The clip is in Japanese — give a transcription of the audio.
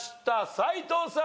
斎藤さん。